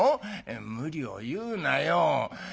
「無理を言うなよ」。